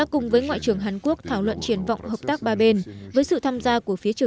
cùng với ngoại trưởng hàn quốc thảo luận triển vọng hợp tác ba bên với sự tham gia của phía triều